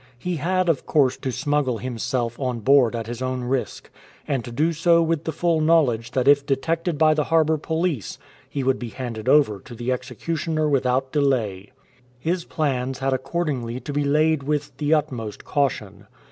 He had, of course, to smuggle himself on board at his own risk, and to do so with the full knowledge that if detected by the harbour police he would be handed over to the executioner without delay. His plans had accordingly to be laid with the utmost caution.